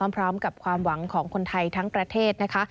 พร้อมกับความหวังของคนไทยทั้งประเทศนะคะ